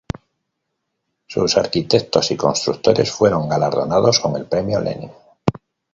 Sus arquitectos y constructores fueron galardonados con el Premio Lenin.